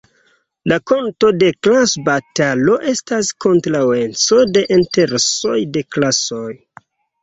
La fonto de klasbatalo estas kontraŭeco de interesoj de klasoj.